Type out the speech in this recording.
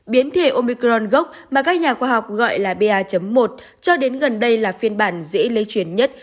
biến thể omicron gốc mà các nhà khoa học gọi là ba một cho đến gần đây là phiên bản dễ lây chuyển nhất